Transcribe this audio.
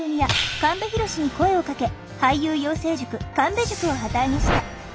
神戸浩に声をかけ俳優養成塾神戸塾を旗揚げした。